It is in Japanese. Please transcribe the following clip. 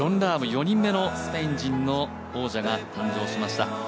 ４人目のスペイン人の王者が誕生しました。